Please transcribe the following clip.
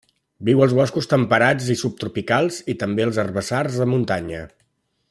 Viu als boscos temperats i subtropicals, i, també, als herbassars de muntanya.